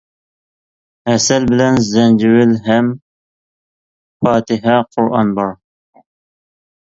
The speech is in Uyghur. ھەسەل بىلەن زەنجىۋىل، ھەم پاتىھە-قۇرئان بار.